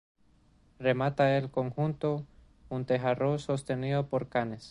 Remata el conjunto un tejaroz sostenido por canes.